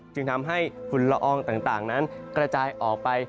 จึงทำให้ฝุ่นละอองต่างนั้นกระจายออกไป